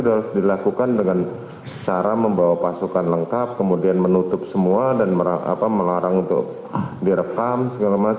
sudah dilakukan dengan cara membawa pasukan lengkap kemudian menutup semua dan melarang untuk direkam segala macam